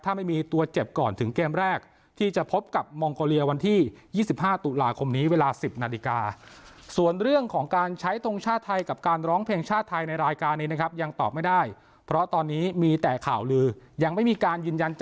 ถ้าไม่มีตัวเจ็บก่อนถึงเกมแรกที่จะพบกับมองโกเลียวันที่๒๕ตุลาคมนี้เวลา๑๐นาฬิกา